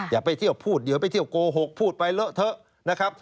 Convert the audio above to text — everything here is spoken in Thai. อย่าไปเที่ยวพูดอย่าไปเที่ยวกโกหกพูดไปเถอะนะครับ